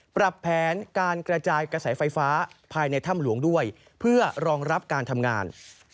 ปรับแผนการกระจายกระแสไฟฟ้าภายในถ้ำหลวงด้วยเพื่อรองรับการทำงาน